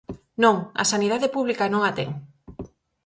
Non, a sanidade pública non a ten.